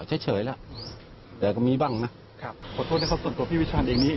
ใช่เจมส์ให้โมงโทดกดหมาย